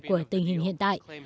của tình hình hiện tại